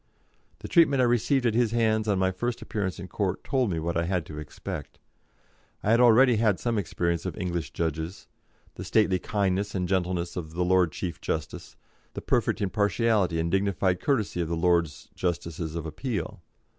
The treatment I received at his hands on my first appearance in court told me what I had to expect. I had already had some experience of English judges, the stately kindness and gentleness of the Lord Chief Justice, the perfect impartiality and dignified courtesy of the Lords Justices of Appeal.